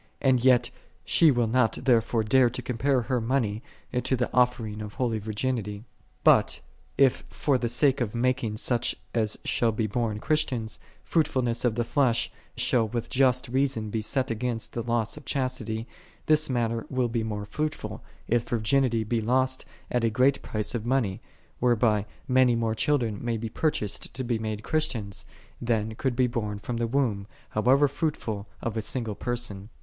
And yet she will not therefore dare to compare her money to the offering1 of holy virginity. But if for the sake of mak ing such as shall be born Christians, fruitful ness of the flesh shall with just reason be set against the loss of chastity, this matter will be more fruitful, if virginity be lost at a great price of money, whereby many more children may be purchased to be made Christians, than could be born from the womb, however fruitful, of a single person.